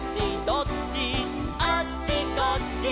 「どっち？」